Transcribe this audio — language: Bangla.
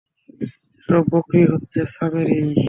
এসব বকরী হচ্ছে সামেরীয়।